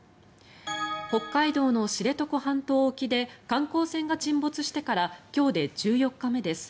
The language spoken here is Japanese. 北海道の知床半島沖で観光船が沈没してから今日で１４日目です。